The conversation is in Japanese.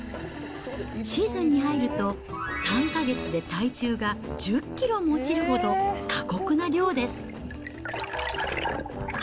シーズンに入ると、３か月で体重が１０キロも落ちるほど、過酷な漁です。